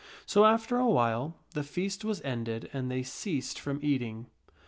So after a while the feast was ended and they ceased from eat ing.